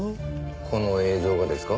この映像がですか？